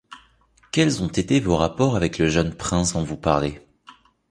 Quels ont été vos rapports avec le jeune prince dont vous parlez ?